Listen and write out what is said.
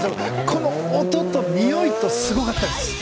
この音と、においとすごかったです！